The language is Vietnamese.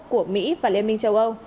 của mỹ và liên minh châu âu